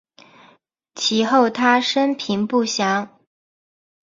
其后他生平不详。